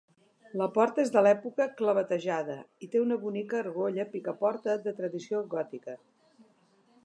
La porta és de l'època, clavetejada, i té una bonica argolla picaporta de tradició gòtica.